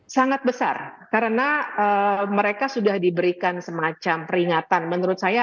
sangat besar karena mereka sudah diberikan semacam peringatan menurut saya